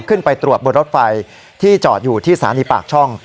ขึ้นไปตรวจบนรถไฟที่จอดอยู่ที่สถานีปากช่อง